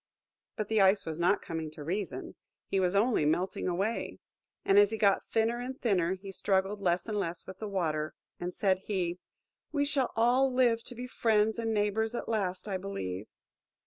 But the Ice was not coming to reason–he was only melting away. And as he got thinner and thinner, he struggled less and less with the Water; and said he, "We shall all live to be friends and neighbours at last, I believe."